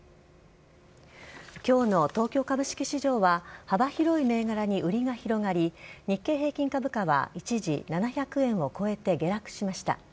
今日の東京株式市場は幅広い銘柄に売りが広がり日経平均株価は一時７００円を超えて下落しました。